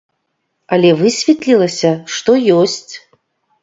Але высветлілася, што ёсць!